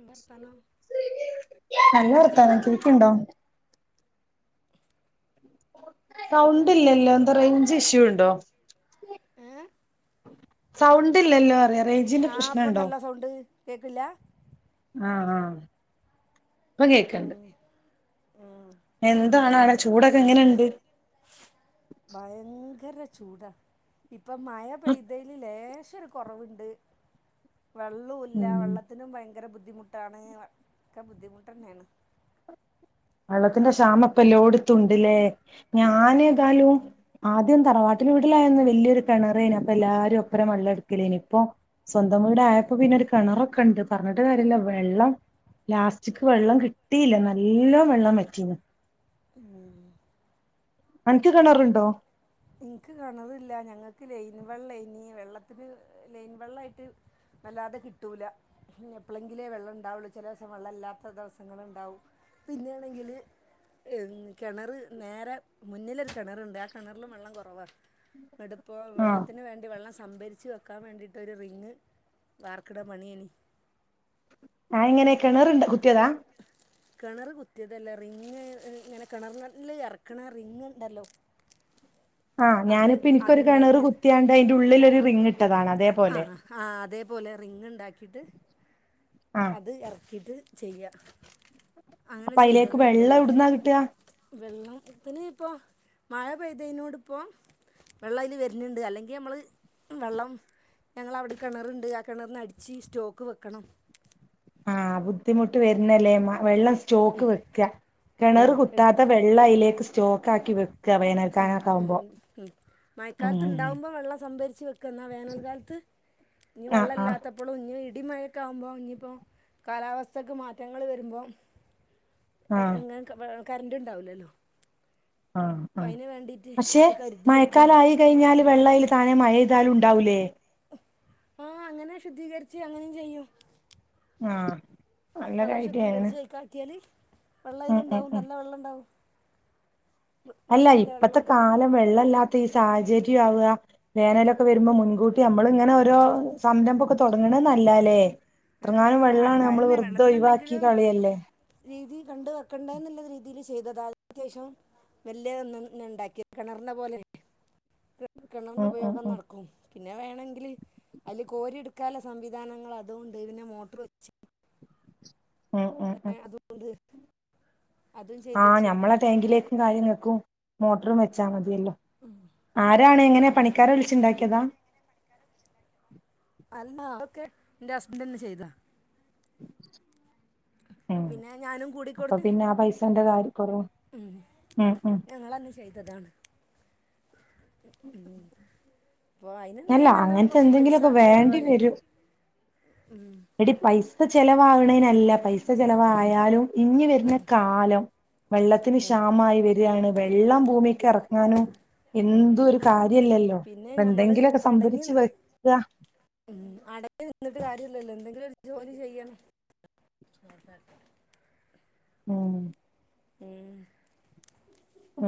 എന്തർത്താനം നല്ല വർത്താനം കേക്കിണ്ടോ സുഖാ സൗണ്ടില്ലല്ലോ എന്താ റേഞ്ച് ഇഷ്യൂ ഉണ്ടോ ഏ സൗണ്ട്ല്ലല്ലോ അറയാ റേഞ്ചിന്റെ ആ പ്രശ്നണ്ടോ ഇപ്പണ്ടല്ലോ സൗണ്ട് കേക്കില്ല ആഹ് ആഹ് ഇപ്പം ഉം കേക്ക്ണ്ട് ഉം എന്താണ് ആടെ ചൂടൊക്കെ എങ്ങനെണ്ട് ഭയങ്കര ചൂടാ ഇപ്പൊ മഴ പെയ്തേല് ലേശൊരു കുറവ്ണ്ട് വെള്ളൂല്ല ഉം വെള്ളത്തി ത്തിനും ഭയങ്കര ബുദ്ധിമുട്ടാണ് ഒക്കെ ബുദ്ധിമുട്ട് തന്നെയാണ്. വെള്ളത്തിന്റെ ക്ഷാമപ്പല്ലോട്ത്തുണ്ട്ല്ലേ ഞാനേതാലും ആദ്യം തറവാട്ടില് വീട്ടിലായിരുന്നന്ന് വലിയൊരു കെണറേന് അപ്പൊ എല്ലാരും ഒപ്പരം വള്ളടുക്കലേനു ഇപ്പൊ സ്വന്തം വീടായപ്പോ പിന്നൊരു കിണറൊക്കെ ഉണ്ട് പറഞ്ഞിട്ട് കാര്യല്ല വെള്ളം ലാസ്റ്റിക്ക്‌ വെള്ളം കിട്ടിയില്ല നല്ലോം വെള്ളം വറ്റീന്നു. ഉം അന്ക്ക് കെണറുണ്ടോ ഇനിക്ക് കെണറില്ല ഞങ്ങൾക്ക് ലൈൻ വെള്ളയ്നി വെള്ളത്തിന് ലൈൻ വെള്ള ആയിട്ട് അല്ലാതെ കിട്ടൂല പിന്നെ എപ്പളെങ്കിലേ വെള്ളം ഉണ്ടാവുള്ളു ചിലേസം വെള്ളല്ലാത്ത ദിവസങ്ങള്ണ്ടാവും പിന്നേണെങ്കില് കിണറ് നേരെ മുന്നിലൊരു കിണറുണ്ട് ആഹ് കിണറിലും വെള്ളം കുറവ എന്ന്ട്ട് പ്പൊ ആഹ് വെള്ളത്തിന് വേണ്ടി വെള്ളം സംഭരിച്ച് വെക്കാൻ വേണ്ടിയിട്ട് ഒരു റിങ്ങ് വാർക്ക്‌ണ പണിയേനി അഹ് എങ്ങനെ കിണറുണ്ട് കുത്തിയതാ കിണർ കുത്തിയതല്ലാ റിങ്ങ് ഇങ്ങനെ കിണർനില്ല് ഇറക്കണ റിങ്ണ്ടല്ലോ ആഹ് ഞാനിപ്പോ എനിക്കൊരു കിണർ അതുണ്ടാക്കിയത് കുത്തിയാണ്ട് അയിന്റെ ഉള്ളിൽ ഒരു റിങ് ഇട്ടതാണ് ആഹ് അതേപോലെ ആഹ് ആഹ് അതേപോലെ റിങ് ണ്ടാക്കിയിട്ട് ആഹ് ഇത് ഇറക്കിട്ട് ചെയ്യ അങ്ങനെ അപ്പൊ അതിലേക്ക് ചെയ്തതാണ് വെള്ളം വെള്ളത്തിന് എവിടുന്നാ കിട്ടുക വെള്ളത്തിന് ഇപ്പോ മഴ പെയ്തേനോട് ഇപ്പം വെള്ളം അയില് വരുന്നുണ്ട് അല്ലെങ്കിൽ നമ്മള് വെള്ളം ഞങ്ങളവിടെ കിണറുണ്ട് ആ കിണറിന്ന് അടിച്ച് സ്റ്റോക്ക് വെക്കണം. ആഹ് ബുദ്ധിമുട്ട് വരുന്നല്ലേമ്മ വെള്ളം സ്റ്റോക്ക് വെക്ക ആ കിണറ് കുത്താത്ത വെ ള്ളയിലേക്ക് സ്റ്റോ ഉം ഹ് ഹും മയക്കാലത്ത് ഉം ഇണ്ടാവുമ്പോ വെള്ളം സംഭരിച്ചു വെക്ക എന്നാ വേനൽക്കാലത്ത് ഇനി ആഹ് വെള്ളം ആഹ് ഇല്ലാത്ത പ്പളും ഇഞ്ഞി ഇടിമഴൊക്കെ ആവുമ്പോ ഇഞ്ഞിപ്പോ കാലാവസ്ഥക്ക് മാറ്റങ്ങൾ വരുമ്പോ ആഹ് എങ്ങനെ കറണ്ട് ഇണ്ടാവൂല്ലല്ലോ ആഹ് ആഹ് പക്ഷേ ഒക്കെ കരുതി വെക്കുക മയക്കാലായി കഴിഞ്ഞാല് വെള്ളയിൽ താനെ മഴയ്താലും ണ്ടാവുല്ലേ ആഹ് അങ്ങനെ ശുദ്ധീകരിച്ച് അങ്ങനേം ചെയ്യും. ആഹ് നല്ല നല്ലോം ഐഡിയ ആണ് ശുദ്ധികരിച്ച് അയ്ക്കാക്കിയാല് വെള്ളം ഉം അയിലുണ്ടാവും ഉം നല്ല വെള്ളണ്ടാവും. അല്ല ഇപ്പത്തെ കാലം വെള്ളല്ലാത്ത ഈ സാഹചര്യം ആവാ വേനലൊക്കെ വരുമ്പോ മുൻകൂ ട്ടി അമ്മള് ഇങ്ങനെ ഓരോ സംരംഭൊക്കെ തുടങ്ങണ നല്ലാല്ലേ ആ, എത്രങ്ങാനും അത് വെള്ളാണ് നമ്മള് വെറുതെ ഒഴിവാക്കി കളയല്ലേ വീതി കണ്ട് വെക്കേണ്ട എന്നുള്ള രീതിൽ ചെയ്തതാ അതി ശേഷം വല്യേതൊന്നും ഞാൻ ഇണ്ടാക്കി കിണറിനെ പോലെ കിണറിന്റെ ഉം ഉം ഉപയോഗം ഉം നടക്കും. പിന്നെ വേണമെങ്കിൽ അതില് കോരി എടുക്കാനുള്ള സംവിധാനങ്ങൾ അതുണ്ട് പിന്നെ മോട്ടർ വെച്ച് ഉം ഉം ഉം ഏ അതുണ്ട് ആഹ് ഞമ്മളെ ടാങ്കിലേക്കും കാര്യങ്ങൾക്കും മോട്ടറും വെച്ചാ മതിയല്ലോ അഹ് ആരാണ് ഇങ്ങനെ പണിക്കാരെ വിളിച്ചുണ്ടാക്കിയതാ അല്ല അതൊക്കെ എന്റെ ഹസ്ബന്റ് തന്നെ ചെയ്താ ഉ പിന്നെ ഞാനും അപ്പൊ പിന്നെ ആ പൈസന്റെ കാര്യം കുറവ് മ് ഉം ഉം ഞങ്ങളന്ന് ചെയ്തതാണ് ഉ അപ്പൊ അയിന്‌ന്നെ അല്ല നല്ല അങ്ങനത്തെ കൊറച്ച് പൈസ എന്തെങ്കിലുമൊക്കെ വേണ്ടി ചെലവായി വരും ഉം മ് എടി പൈസ ചെലവാകണേനല്ല പൈസ പൈസ ചെലവായാലും ഇഞ്ഞി വരുന്ന കാലം വെള്ളത്തിന് ക്ഷാമായി വര ശരിയാണ് വെള്ളം ഭൂമിക്ക് ഇറങ്ങാനും എന്തും ഒരു കാര്യല്ലല്ലോ പിന്നെ അപ്പൊ നമ്മള് എന്തെങ്കിലൊക്കെ സംഭരിച്ച് വെക്ക ഉ അടങ്ങി നിന്നിട്ട് കാര്യല്ലല്ലോ എന്തെങ്കിലും ജോലി ചെയ്യണം ഉം മ് മ് ഹ്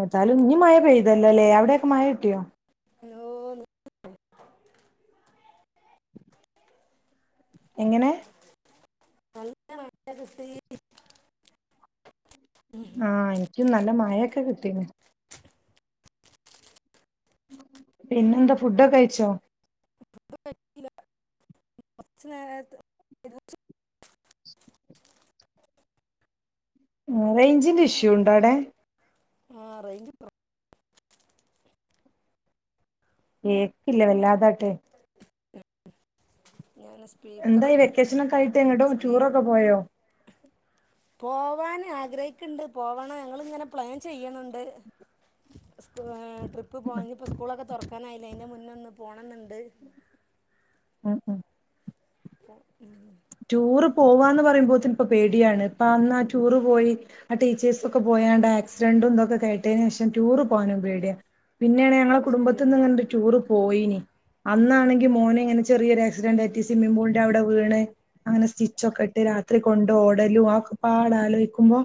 ഏതാലും ഇഞ് മഴ പെയ്തല്ലൊലെ അവിടെയൊക്കെ മഴ കിട്ടിയോ ഹലോ ന്ന് എങ്ങനെ നല്ല മഴ കിട്ടി ആഹ് എനിക്കും നല്ല മായൊക്കെ കിട്ടീ ണ് പിന്നെന്താ ഫുഡൊക്കെ കഴിച്ചോ ഫുഡ് കയിച്ചില്ല കൊറച്ച് നേര റെയ്ഞ്ചിന്റെ ഇഷ്യൂ ഉണ്ടോ അവടെ ആ റൈഞ്ച് കേൾക്കില്ലാ വല്ലാതാട്ട് ഞാനസ് എന്തായി വെക്കേഷനോക്കെ ആയിട്ട് എങ്ങട്ടോ ടൂറൊക്കെ പോയോ പോവാൻ ആഗ്രഹിക്ക്ണ്ട് പോകണം ഞങ്ങിങ്ങനെ പ്ലാൻ ചെയ്യിണ് ണ്ട് സ് ട്രിപ്പ് പോകാഞ്ഞി ഇപ്പോ സ്കൂളൊക്കെ തൊറക്കാനായില്ലേ അയ്ന്റെ മുന്നേ ഒന്ന് പോണംന്നുണ്ട് അഹ് അഹ് പ്പൊ ൻ ടൂർ പോവാന്ന് പറയുമ്പോത്തിന് ഇപ്പോ പേടിയാണ് ഇപ്പ അന്നാ ടൂർ പോയി ആ ടീച്ചേഴ്സ് ഒക്കെ പോയാണ്ട് ആക്സിഡന്റും തൊക്കെ കേട്ടയ്ന് ശേഷം ടൂറ് പോവാനും ഉം പേടിയ പിന്നെയാണ് ഞങ്ങളെ അതൊക്കെ കുടുംബത്തിൽ ശരിയന്നെ നിന്ന്ണ്ട് ടൂർ പോയിനി അന്നാണെങ്കി മോന് ഇങ്ങനെ ചെറിയൊരു ആക്സിഡന്റ് പറ്റി സിമ്മിം പൂളിന്റെ അവിടെ വീണ് അങ്ങനെ സ്റ്റിച്ചൊക്കെ ഇട്ട് രാത്രി കൊണ്ട് ഓടലും അഒക്കെ പാടെ ആലോയിക്കുമ്പോ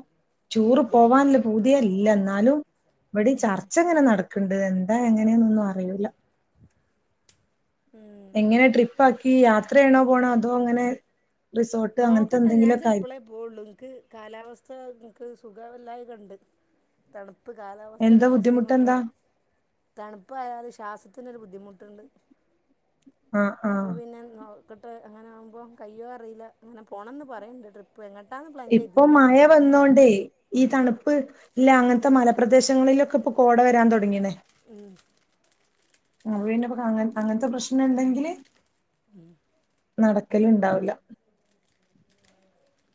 ടൂർ പോവാന്ള്ള പൂതി ല്ല എന്നാലും ഇവടീം ചർച്ച ഇങ്ങനെ നടക്ക്ണ്ട് എന്താ എങ്ങനെന്നൊന്നും ങ എങ്ങനെ ട്രിപ്പ് ആക്കി യാത്രേണോ പോണേ അതോ ഇങ്ങനെ റിസോർട്ട് അങ്ങനത്തെ എന്തെങ്കിലുമൊക്കെ പോഒള്ളു ഇൻക് കാലാവസ്ഥ ഇൻക് സുഖല്ലായ ഒക്കെ ഉണ്ട് തണുപ്പ് കാലാവസ്ഥന്റെ എന്താ പ്രശ്നം കൊണ്ട് ബുദ്ധിമുട്ടെന്താ തണുപ്പായാൽ ശ്വാസത്തിനൊരു ബുദ്ധിമുട്ടുണ്ട് ആഹ് അപ്പം ആഹ് പിന്നെ നോ ക്കട്ടെഅങ്ങനെ ആകുമ്പോം കയ്യോ അറിയില്ല അങ്ങനെ പോണം യെന്ന് പറയുന്നുണ്ട് ട്രിപ്പ് പോണത് എങ്ങട്ടാ ഇപ്പം മഴ വന്നോണ്ടേ ഈ ഉം തണുപ്പ് ഇല്ല അങ്ങനത്തെ മലപ്രദേശങ്ങളിലൊക്കെ ഇപ്പൊ കോട വരാൻ തൊടങ്ങീണ് ഉം അപ്പ പിന്നെ അങ്ങ അങ്ങനത്തെ പ്രശ്നംണ്ടെങ്കില് ഉം നടക്കല്ണ്ടാവുല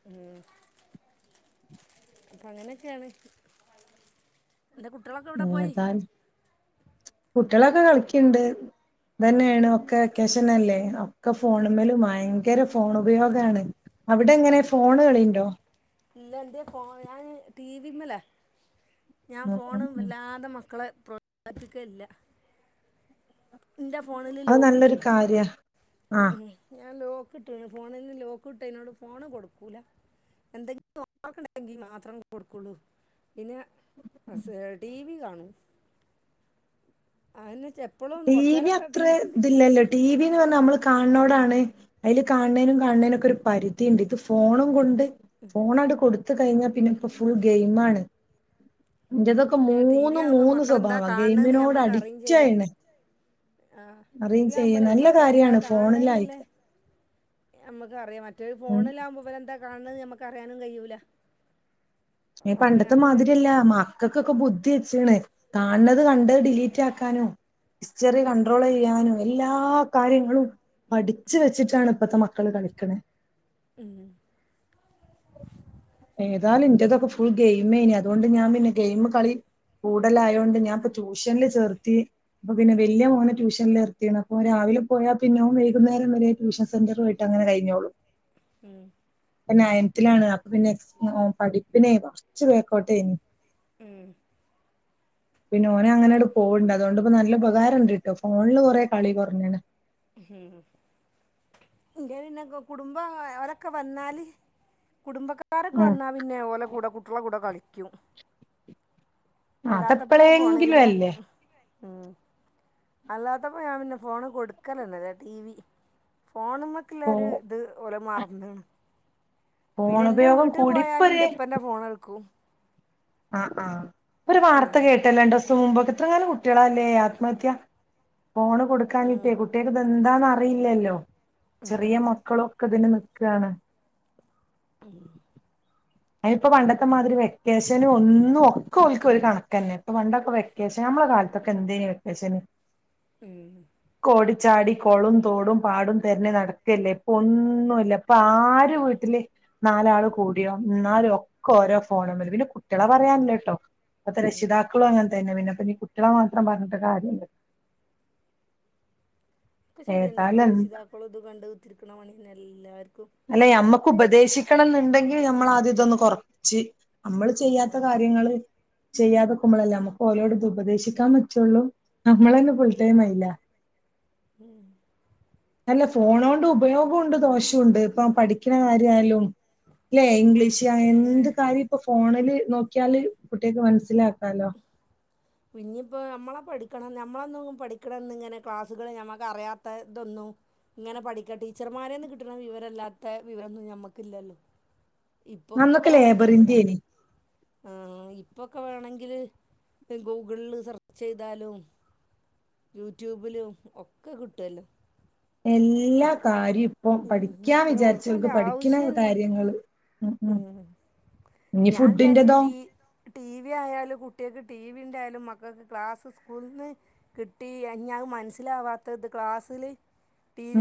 ഉം അപ്പൊ അങ്ങനൊക്കേണ് എന്ത കുട്ടികളെ പിന്നെത്താ കുട്ടിയളൊക്കെ കളിക്ക്ണ്ട് ഉം ഇതന്നെയാണ് ഒക്കെ വെക്കേഷനല്ലേ ഒക്കെ ഫോണ് മ്മലും ഭയങ്കര ഫോണ് ഉപയോഗാണ് അവിടെങ്ങനെ ഫോണു കളിയുണ്ടോ? ഇല്ല ഇന്റെ ഫോൺ ഞാൻ ടി വിമ്മല ഞാൻ ഉം ഉം ഫോണ് ഉം വല്ലാതെ മക്കളെ പ്രോത്സാഹിപ്പിക്കേല്ല ഇന്റെ ഫോണില് അത് ലോക്ക് നല്ലൊരു ഇട്ട്ണ് കാര്യ ആ ഉം ഞാൻ ലോക്ക്ട്ട്ണ് ഫോണില് ലോക്ക് ഇട്ടെയിനോട് ഫോണ് കൊടുക്കൂല്ല എന്തെങ്കിലും ഹോം വർക്ക് ഇണ്ടായെങ്കി മാത്രം കൊടുക്കൊള്ളൂ പിന്നെ ടി വി കാണും അയെന്നെ ചെല ടി വി അത്ര ഇതില്ലല്ലോ ടി വിന്ന് പറഞ്ഞാ നമ്മള് കാൺണോടാണ് അയില് കാൺണേനും കാണ് ണേനൊക്കെ ഒരു പരിധിയിണ്ട് ഇത് ഫോണും കൊണ്ട് ഫോണാണ്ട് കൊടുത്ത കൊടുത്ത് കഴിഞ്ഞാ പിന്നെ ഇപ്പം ഫുൾ ഗെയിംമാണ് ഇന്റെതൊക്കെ പിന്നെ ടി വി മൂന്നും ആകുമ്പോൾ മൂന്ന് മക്കളെന്താ സ്വഭാവാണ് കാണണമെന്ന് ഗെയിമിനോട് അടിക്റ്റായിണ് ആഹ് ടി വി യാവുമ്പളേ നല്ല മക്കളെന്താ കാര്യാണ് കാണ് ഫോണിലായിക്ക ണേന്നില്ലേ നമ്മക്കറിയാം മറ്റേ ഓല് ഉം ഫോണിലാവുമ്പോ ഇവരെന്താ കാണ് ണേന്ന് നമ്മക്ക് അറിയാനും കഴിയൂല അയിന് അപ്പോൾ പണ്ടത്തെ ഞാൻ പിന്നെ ടി- മാതിരിയല്ല മക്കൾക്കൊക്കെ ബുദ്ധി വെച്ച്ണ് കാണുന്നത് കണ്ടത് ഡിലീറ്റ് ആക്കാനും ഹിസ്റ്ററി കണ്ട്രോൾ ചെയ്യാനും എല്ലാ കാര്യങ്ങളും പഠിച്ച് വെച്ചിട്ടാണ് ഇപ്പത്തെ മക്കള് കളിക്ക്ണെ ഉം ഏതായാലും ഇന്റതൊക്കെ ഫുൾ ഗെയിമേനി അതുകൊണ്ട് ഞാൻ പിന്നെ ഗെയിംകളി കൂടുതലായോണ്ട് ഞാ ഇപ്പം ട്യൂഷനില് ചേർത്തി അപ്പൊ പിന്നെ വല്ല്യ മോനെ ട്യൂഷനില് ചേർത്തിണ് അപ്പൊ രാവിലെ പോയാ പിന്നെ ഓൻ വൈകുന്നേരം വരെ ട്യൂഷൻ സെന്ററുവായിട്ട് അങ്ങനെ കഴിഞ്ഞോളും ഉം ഇപ്പൊ നയൻത്തിലാണ് അപ്പൊ പിന്നെ എക്സാ പഠിപ്പിനെ കൊറച്ച് ബേക്കോട്ടേനി ഉം പിന്നെ ഓന് അങ്ങനാണ്ട് പോവ്ണ്ട് അതു കൊണ്ട്പ്പോ നല്ല ഉപകാരം ഇണ്ട്ട്ടോ ഫോണില് കൊറേ കളി കൊറഞ്ണ് ഉം ഇന്റെ പിന്നെ ഒക്കെ കുടുംബ അവരൊക്കെ വന്നാല് കുടുംബക്കാ രൊക്കെ ഉം വന്നാ പിന്നെ ഓലെ കൂടെ കുട്ടികളെ കൂടെ കളിക്കും അല്ലാത്തപ്പെളാ ഫോണ് അതെപ്പളെങ്കിലും പിന്നെ അല്ലേ ഉം അല്ലാത്തപ്പോ ഞാൻ പിന്നെ ഫോണ് കൊടുക്കലന്നെ ഇല്ല ടി വി ഫോണ് മ്മക്ക് ഇല്ല ഫോ ഒരു ഇത് ഓല് മറന്ന്ണ് പിന്നെ ഇന്റെ ഫോണുപയോഗം വീട്ട് കൂടി പോയാല് ഇപ്പൊര് ഇന്റെ ഇപ്പന്റെ ഫോണെടുക്കൂ ആഹ് ആഹ് ഒരു ആ വാർത്ത കേട്ടല്ലേ രണ്ടൂസം മുമ്പ് ഒക്കെ ഇത്രങ്ങാനും കുട്ടിയളാല്ലേ ആത്മഹത്യാ? ഫോണ് ഉം കൊടുക്കാഞ്ഞിട്ട്യേ. കുട്ടികൾ ക്ക് ഇത് എന്താന്ന അറിയില്ലല്ലോ. ചെറിയ മക്കളും. ഒക്കെ ഇതിനു നിൽക്കാണ്. ആ [inaudible] അയിനി പ്പ പണ്ടത്തെ മാതിരി വെക്കേഷൻ ഒന്നും ഒക്കെ ഒൽ ക്കു ഒരു കണക്ക ന്നെ. ഇപ്പൊ പണ്ടൊക്കെ വെക്കേഷൻ വെക്കേഷൻ നമ്മളുടെ കാലത്തൊക്കെ എന്തേനു വെക്കേഷൻ. ഉം. കോഓടിച്ചാടി കൊളും തോടും പാടും തെരഞ്ഞു നടക്കല്ലേ ഇപ്പോ ഒന്നുല്ല. ഇപ്പോ ആര് വീട്ടില് നാലാള് കൂടിയോ ന്നാലും ഒക്കെ ഓരോ ഫോണ് മേൽ പിന്നെ കുട്ടികളെ പറയാല്ലോട്ടോ. ഇപ്പത്തെ രക്ഷിതാക്കളും അങ്ങനത്തെന്നെ പിന്നെപ്പ കുട്ടികളെ മാത്രം പറഞ്ഞിട്ട് കാര്യ ശരിയന്നെ ഇപ്പോ ഏതായാലും രക്ഷിതാക്കളും ഇത് കണ്ട് കുത്തിരിക്കണ പണിന്നെ എല്ലാർക്കും. അല്ലെ ഞമ്മക്ക് ഉപദേശിക്കണം ന്നുണ്ടെങ്കിൽ ഞമ്മൾ ആദ്യ ഇതൊന്ന് കുറച്ച് നമ്മൾ ചെയ്യാത്ത കാര്യങ്ങൾ ചെയ്യാതെക്കുമ്പോളല്ലേ. നമുക്ക് ഓരോട് ഇത് ഉപദേശിക്കാൻ പറ്റുള്ളൂ. നമ്മളന്നെ ഫുൾ ടൈമ് അയ്ല. ഉം. അല്ല ഫോണോണ്ട് ഉപയോഗംണ്ട് ദോഷംണ്ട് ഇപ്പോ പഠിക്കണ കാര്യയാലും. ല്ലെ ഇംഗ്ലീഷ് ഏ എന്ത് കാര്യം ഇപ്പോ ഫോണില് നോക്കിയാല് കുട്ടിൾക്ക് മനസ്സിലാക്കാലോ. [inaudible] ഇനീപ്പൊ നമ്മളെ പഠിക്കണം നമ്മളന്നും പഠിക്കണംന്ന് ഇങ്ങനെ ക്ലാസ്സുകൾ ഞമ്മക്ക് അറിയത്ത ഇതൊന്നും ഇങ്ങനെ പഠിക്ക ടീച്ചർമാരെന്ന് കിട്ടുന്ന വിവരമല്ലാത്ത വിവരംന്നും നമ്മുക്കില്ലല്ലോ? ഇപ്പൊക്കെ അന്നൊക്കെ വേണെങ്കിൽ ലേബറിന്റെനി ഇപ്പൊക്കെ വേണങ്കി വേണങ്കിൽ ഗൂഗിളിൽ സെർച്ച് ചെയ്താലും യൂട്യൂബിലും ഒക്കെ കിട്ടുല്ലോ. എല്ലാ കാര്യവും ഇപ്പൊ ഉം, പഠിക്കാൻ പക്ഷേ ഓൾക്ക് വിചാരിച്ചൽക്ക് അതിൻ്റെ പഠിക്കുന്ന ആവശ്യമല്ല കാര്യങ്ങള് ഉം. ഉം. ഇനി ഞാൻ വിചാരിച്ച് ഫുഡിന്റെതോ? ടി ടി വി ആയാലും കുട്ടികൾക്ക് ടി വി ഉണ്ടായാലും മക്കൾക്ക് ക്ലാസ്സ് സ്കൂൾ ന്ന് കിട്ടി ഞ മനസ്സിലാവാത്തത് ക്ലാസ്സിൽ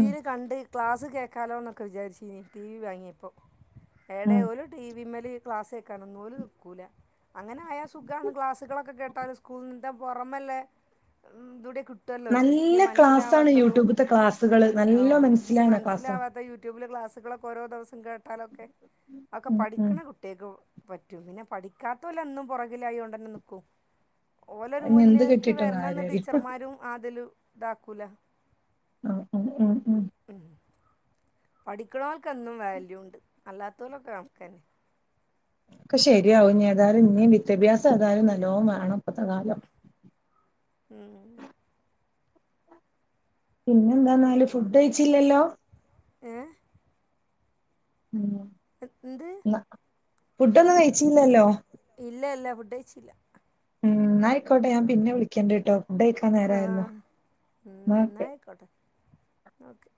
ഉം കണ്ട് ക്ലാസ് കേക്കാലോ ന്നൊക്കെ വിചാരിച്ചനി ടി വി വാങ്ങിയപ്പോ. എവടെ ഉം ഓൽ ടി വിമ്മേല് ക്ലാസ്ക്കാനൊന്നും ഓൽ നിക്കൂല. അങ്ങനെ ആയാ സുഖണ്. ക്ലാസ്സുകളൊക്കെ കേട്ടാല് സ്കൂൾ ന് പുറമെല്ലേ ഇതൂടെ കി കിട്ടൂല്ലോൽ ക്ക് നല്ല ഇനി ക്ലാസ്സാണ് മനസ്സിലാവാത്തതും യൂട്യൂബ്ത്തെ ക്ലാസ്സുകള് നല്ല ഇനി മനസ്സിലാണ് ക്ലാസ്സാ മനസ്സിലാവാത്ത യു യു ട്യൂബില് ക്ലാസുകളൊക്കെ ഓരോ ദിവസം കേട്ടാലക്കെ ഒക്കെ ഉം ഉം പഠിക്കണ കു കുട്ടികൾക്ക് പറ്റും. പിന്നെ പഠിക്കാത്ത ഒൽ എ ന്നും പുറകിലായൊണ്ട്ന്നെ നിക്കും. ഓലൊരു അയ്ന് എന്ത് മുന്നേക്ക് കിട്ടിയിട്ടും വരണംന്ന് കാര്യല്ല ടീച്ചർമാരും അതില് ഇതാക്കൂല. ഉം, ഉം, ഉം. പഠിക്കണൽക്ക്ന്നും വാല്യൂണ്ട് അല്ലാത്തലൊക്കെ കണകന്നെ. ഒക്കെ ശരിയാവും ഏതായാലും ഇനി വിദ്യാഭ്യാസം ഏതായാലും നല്ലോ വേണപ്പത്തെ കാലം. ഉം. പിന്നെന്താന്നാല് ഫുഡ് കഴിച്ചില്ലല്ലോ? ഏഹ്. ഉം. എന്ത്? ഫുഡൊന്നും കഴിച്ചില്ലല്ലോ? ഇല്ല ഇല്ല ഫുഡ് കഴിച്ചില്ല. ഉം. എ ന്നായിക്കോട്ടെ ഞാൻ പപിന്നെ വിളിക്കണ്ടട്ടോ ഫുഡ ആഹ് ന്നയിക്കോട്ടെ ഓക്കെ